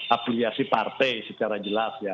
apliasi partai secara jelas ya